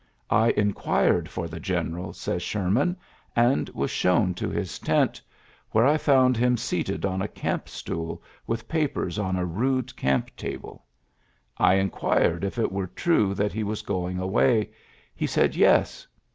*^I inquired for the ge eral," says Sherman, *^and was sho"^ ULYSSES S. GEANT 69 to his tent, where I found him seated on a camp stool, with papers on a rnde camp table. ... I inquired if it were true that he was going away. He said, Yes.